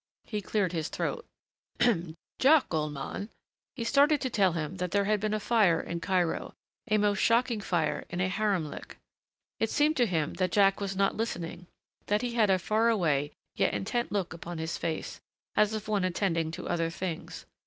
He cleared his throat. "Jack, old man " He started to tell him that there had been a fire in Cairo, a most shocking fire in a haremlik. It seemed to him that Jack was not listening, that he had a faraway, yet intent look upon his face, as of one attending to other things.